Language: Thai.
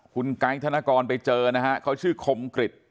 คุณกายทนกรไปเจอนะครับเขาชื่อคมกริต